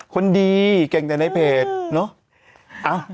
คนดีเก่งจากในเพจ